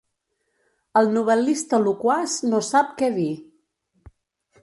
El novel·lista loquaç no sap què dir.